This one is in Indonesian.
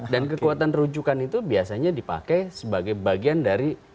dan kekuatan rujukan itu biasanya dipakai sebagai bagian dari